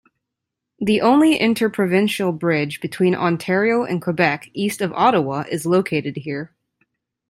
The only interprovincial bridge between Ontario and Quebec east of Ottawa is located here.